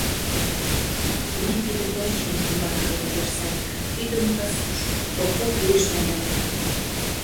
— «Мый тиде пырчым, — умбакыже лудеш Санька, — ӱдымӧ пасушто, окоп лишне муынам.